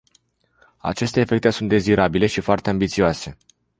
Aceste efecte sunt dezirabile și foarte ambițioase.